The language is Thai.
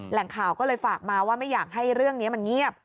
แหล่งข่าวก็เลยฝากมาว่าไม่อยากให้เรื่องนี้มันเงียบ